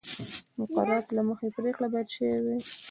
مقرراتو له مخې پرېکړه باید شوې وای